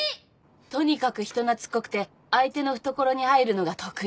とにかく人懐っこくて相手の懐に入るのが得意。